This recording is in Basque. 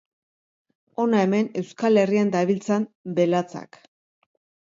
Hona hemen Euskal Herrian dabiltzan belatzak.